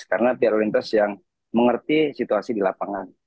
karena pihak lalu lintas yang mengerti situasi di lapangan